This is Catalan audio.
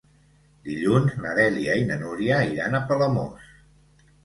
Dilluns na Dèlia i na Núria iran a Palamós.